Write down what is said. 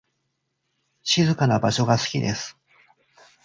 静かな場所が好きです。